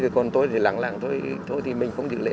còn tôi thì lặng lặng thôi thôi thì mình không dự lễ